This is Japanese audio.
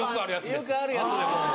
よくあるやつでもう。